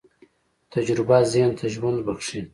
تجربه ذهن ته ژوند بښي.